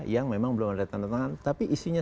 yang memang belum ada tanda tangan tapi isinya